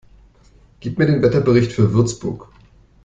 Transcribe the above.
Gib mir den Wetterbericht für Würzburg